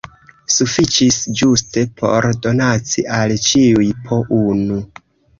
Sufiĉis ĝuste por donaci al ĉiuj po unu.